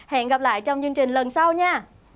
hẹn gặp lại trong chương trình lần sau nha